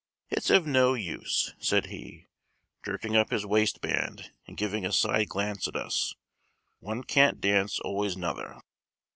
"It's of no use," said he, jerking up his waistband and giving a side glance at us, "one can't dance always nouther."